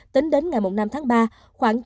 tính đến ngày mồng năm tháng ba khoảng chín mươi năm